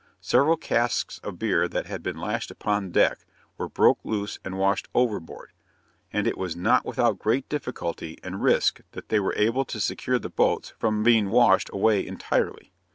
Several casks of beer that had been lashed upon deck, were broke loose and washed overboard; and it was not without great difficulty and risk that they were able to secure the boats from being washed away entirely.